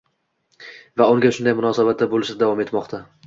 va unga shunday munosabatda bo‘lishda davom etmoqda.